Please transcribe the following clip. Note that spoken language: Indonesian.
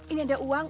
ini ada uang